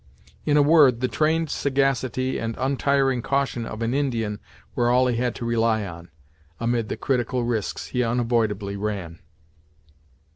In a word, the trained sagacity, and untiring caution of an Indian were all he had to rely on, amid the critical risks he unavoidably ran.